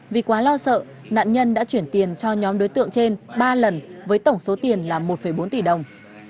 vì quá lo sợ nạn nhân đã chuyển tiền cho nhóm đối tượng trên ba lần với tổng số tiền là một bốn tỷ đồng